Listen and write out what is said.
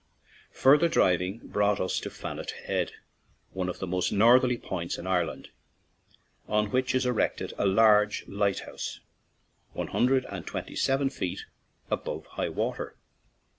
Further driving brought us to Fanet Head, one of the most northerly points in Ireland, on which is erected a large light house, one hundred and twenty seven feet above high water.